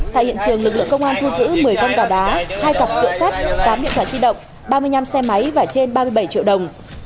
tại hiện trường lực lượng công an thu giữ một mươi con gà đá hai cặp cửa sắt tám điện thoại di động ba mươi năm xe máy và trên ba mươi bảy triệu đồng